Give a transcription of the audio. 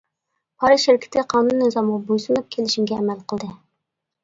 پار شىركىتى قانۇن نىزامغا بوي سۇنۇپ، كېلىشىمگە ئەمەل قىلدى.